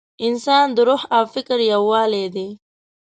انسان د روح او فکر یووالی دی.